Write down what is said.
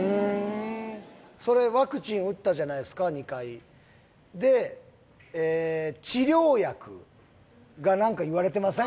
それワクチン打ったじゃないっすか２回で治療薬が何か言われてません？